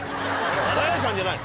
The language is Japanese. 堺さんじゃない。